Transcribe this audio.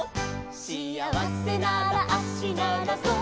「しあわせなら足ならそう」